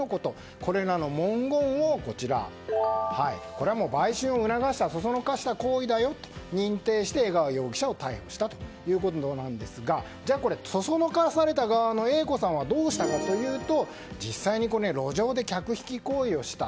これらの文言を売春を促したそそのかした行為だよと認定して、江川容疑者を逮捕したということのようですがじゃあ、そそのかされた側のＡ子さんはどうしたかというと実際に路上で客引き行為をした。